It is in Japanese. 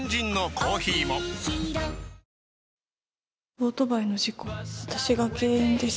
オートバイの事故、私が原因です。